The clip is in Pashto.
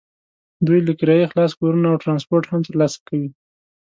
دوی له کرایې خلاص کورونه او ټرانسپورټ هم ترلاسه کوي.